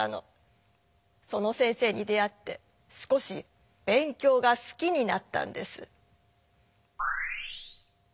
その先生に出会って少し勉強がすきになったんです。